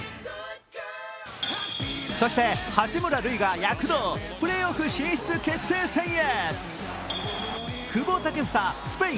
そして八村塁が躍動、プレーオフ進出決定戦へ。